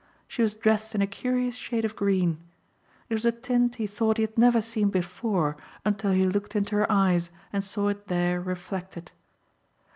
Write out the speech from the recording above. She was dressed in a curious shade of green. It was a tint he thought he had never seen before until he looked into her eyes and saw it there reflected.